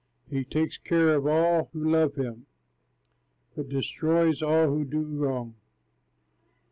He takes care of all who love him, But destroys all those who do wrong.